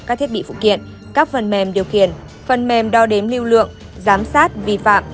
các thiết bị phụ kiện các phần mềm điều khiển phần mềm đo đếm lưu lượng giám sát vi phạm